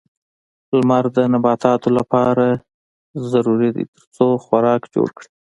لمر د نباتاتو لپاره ضروري ده ترڅو خوراک جوړ کړي.